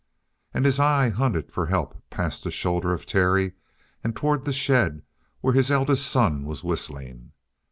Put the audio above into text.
And his eye hunted for help past the shoulder of Terry and toward the shed, where his eldest son was whistling.